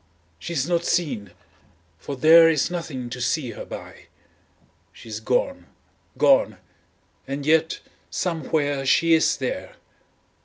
She is not seen, for there is nothing to see her by. She is gone! gone! and yet somewhere she is there.